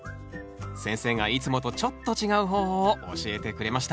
先生がいつもとちょっと違う方法を教えてくれました